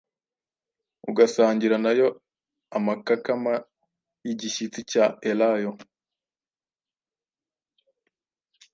ugasangira nayo amakakama y’igishyitsi cya elayo,